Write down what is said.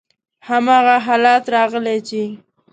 هماغه حالت راغلی چې: